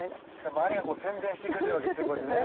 周りがこう宣伝してくれてるわけですねこうやってね。